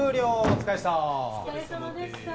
お疲れさまでした。